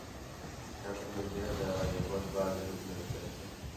Shavkat Mirziyoyev Bavariya bosh vaziri bilan uchrashdi